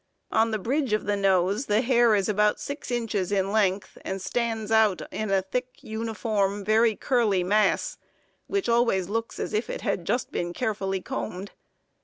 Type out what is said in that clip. On the bridge of the nose the hair is about 6 inches in length and stands out in a thick, uniform, very curly mass, which always looks as if it had just been carefully combed.